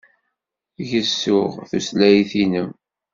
Gezzuɣ tutlayt-inem.